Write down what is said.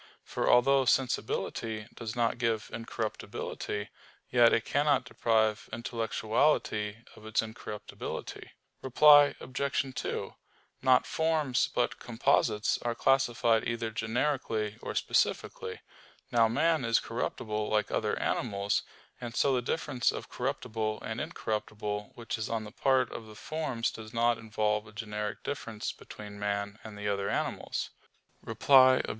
For although sensibility does not give incorruptibility, yet it cannot deprive intellectuality of its incorruptibility. Reply Obj. 2: Not forms, but composites, are classified either generically or specifically. Now man is corruptible like other animals. And so the difference of corruptible and incorruptible which is on the part of the forms does not involve a generic difference between man and the other animals. Reply Obj.